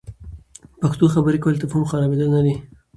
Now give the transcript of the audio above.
پښتو خبرې کول، د تفهم خرابیدل نه وي.